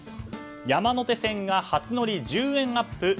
山手線が初乗り１０円アップ。